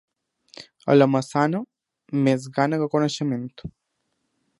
A la Maçana, més gana que coneixement.